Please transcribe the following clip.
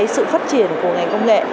sự phát triển của ngành công nghệ